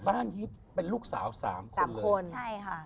บ้านที่เป็นลูกสาวสามคนเลยสามคนใช่ค่ะ